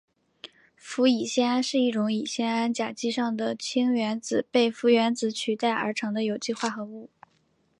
氟乙酰胺是一种乙酰胺甲基上的氢原子被氟原子取代而成的有机化合物。